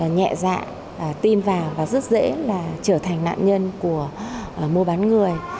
nhẹ dạng tin vào và rất dễ là trở thành nạn nhân của mùa bán người